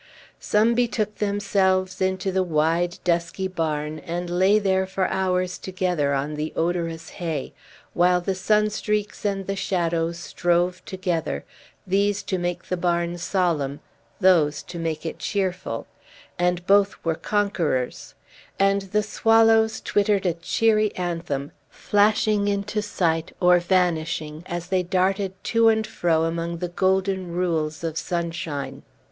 Some betook themselves into the wide, dusky barn, and lay there for hours together on the odorous hay; while the sunstreaks and the shadows strove together, these to make the barn solemn, those to make it cheerful, and both were conquerors; and the swallows twittered a cheery anthem, flashing into sight, or vanishing as they darted to and fro among the golden rules of sunshine.